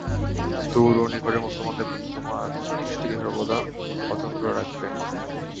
দুর ও নিকটের মুসলমানদের প্রতি তোমার দৃষ্টিকে সর্বদা অতন্দ্র রাখবে।